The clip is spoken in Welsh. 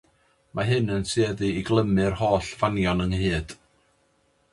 Mae hyn yn tueddu i glymu'r holl fanion ynghyd.